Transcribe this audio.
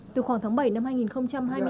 từ khoảng tháng bảy năm hai nghìn hai mươi ba